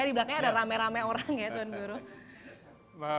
dibelakangnya ada rame rame orang ya tuan guru